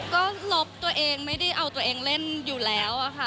ก็ลบตัวเองไม่ได้เอาตัวเองเล่นอยู่แล้วอะค่ะ